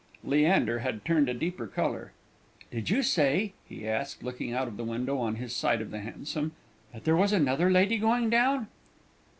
Leander had turned a deeper colour. "Did you say," he asked, looking out of the window on his side of the hansom, "that there was another lady going down?"